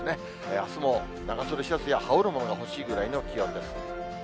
あすも長袖シャツや、羽織るものが欲しいくらいの気温です。